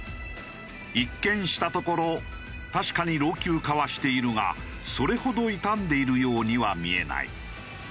一見したところ確かに老朽化はしているがそれほど傷んでいるようには見えない。